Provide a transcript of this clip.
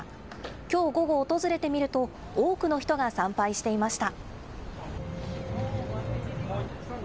きょう午後、訪れてみると、多くの人が参拝していました。